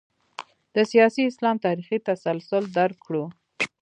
د سیاسي اسلام تاریخي تسلسل درک کړو.